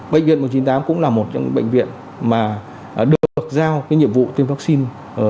bệnh viện một mươi chín cũng là một trong những bệnh viện mà được giao nhiệm vụ tiêm vaccine